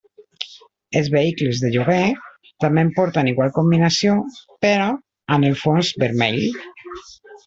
Els vehicles de lloguer també porten igual combinació però amb el fons vermell.